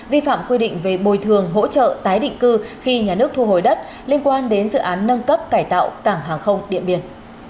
vi phạm quy định về bồi thường hỗ trợ tái định cư khi nhà nước thu hồi đất liên quan đến dự án nâng cấp cải tạo cảng hàng không điện biên